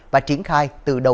và triển khai